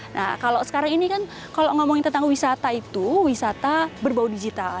nah kalau sekarang ini kan kalau ngomongin tentang wisata itu wisata berbau digital